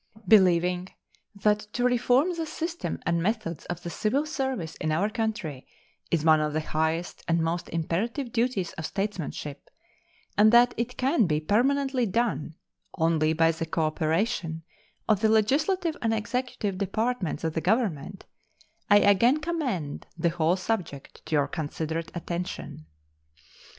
Believing that to reform the system and methods of the civil service in our country is one of the highest and most imperative duties of statesmanship, and that it can be permanently done only by the cooperation of the legislative and executive departments of the Government, I again commend the whole subject to your considerate attention.